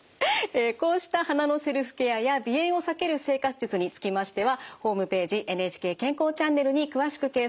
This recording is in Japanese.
こうした鼻のセルフケアや鼻炎を避ける生活術につきましてはホームページ「ＮＨＫ健康チャンネル」に詳しく掲載されています。